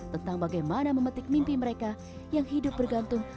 tentang bagaimana memetik mimpi mereka yang hidup bergantung